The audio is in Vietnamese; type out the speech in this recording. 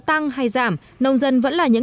tăng hay giảm nông dân vẫn là những